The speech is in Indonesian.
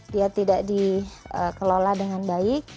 dia tidak dikelola dengan baik